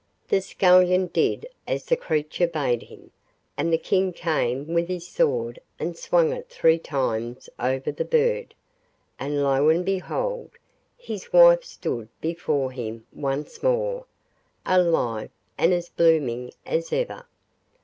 The Scullion did as the creature bade him, and the King came with his sword and swung it three times over the bird, and lo and behold! his wife stood before him once more, alive, and as blooming as ever.